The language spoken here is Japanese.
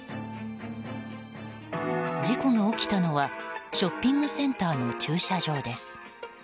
事故が起きたのはショッピングセンターの駐車場です。